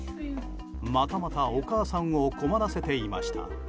またまたお母さんを困らせていました。